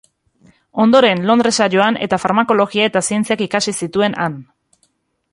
Ondoren, Londresa joan eta Farmakologia eta zientziak ikasi zituen han.